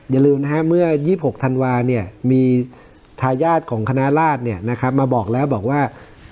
อย่าลืมเมื่อ๒๖ธันวาส์มีทายาทของคณะราชบอกแล้วบอกว่า